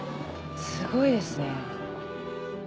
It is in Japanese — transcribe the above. すごいですね。